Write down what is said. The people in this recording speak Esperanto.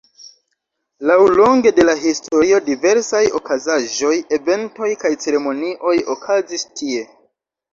Laŭlonge de la historio diversaj okazaĵoj, eventoj kaj ceremonioj okazis tie.